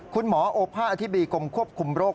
คุณหมอโอภาสอธิบดีกรมควบคุมโรค